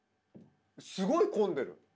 すごい混んでる？